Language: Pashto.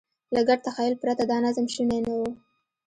له ګډ تخیل پرته دا نظم شونی نه و.